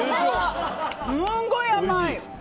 すごい甘い！